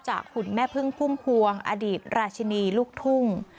คุณแม่พึ่งพุ่มพวงอดีตราชินีลูกทุ่ง